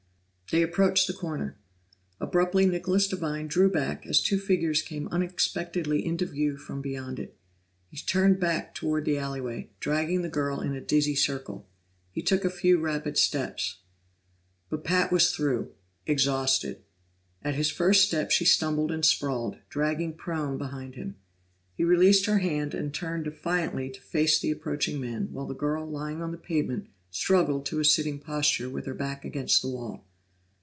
They approached the corner; abruptly Nicholas Devine drew back as two figures came unexpectedly into view from beyond it. He turned back toward the alley way, dragging the girl in a dizzy circle. He took a few rapid steps. But Pat was through, exhausted. At his first step she stumbled and sprawled, dragging prone behind him. He released her hand and turned defiantly to face the approaching men, while the girl lying on the pavement struggled to a sitting posture with her back against the wall.